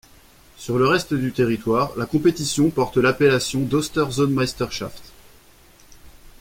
Sur le reste du territoire, la compétition porte l'appellation d'Osterzonemeisterschaft.